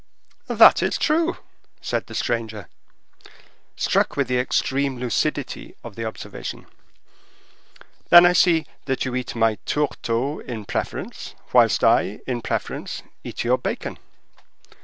"That is true!" said the stranger, struck with the extreme lucidity of the observation. "Then I see that you eat my tourteau in preference, whilst I, in preference, eat your bacon."